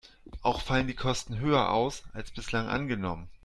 Auch fallen die Kosten höher aus, als bislang angenommen.